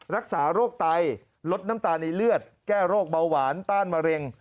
รักษาโรคไตลดน้ำตาลในเลือดแก้โรคเบาหวานต้านมะเร็ง